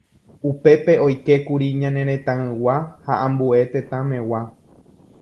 Upépe oikékuri ñane retãygua ha ambue tetãmegua.